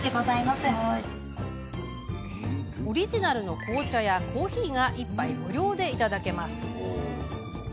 オリジナルの紅茶やコーヒーが１杯無料でいただけます。